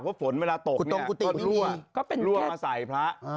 เพราะฝนเวลาตกก็รั่วมาใส่พระ